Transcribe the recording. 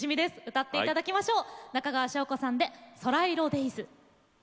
歌っていただきましょう。